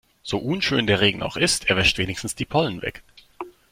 So unschön der Regen auch ist, er wäscht wenigstens die Pollen weg.